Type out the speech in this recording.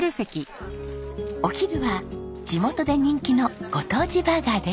お昼は地元で人気のご当地バーガーです。